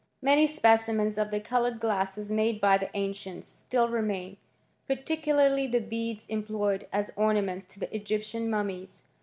> Many specimens of the coloured glasses made hf the ancients still remain, particularly the beads em* ployed as ornaments to the Egyptian mummies.